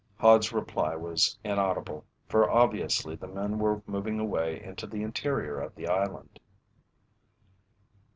Hod's reply was inaudible, for obviously the men were moving away into the interior of the island.